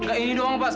enggak ini doang pak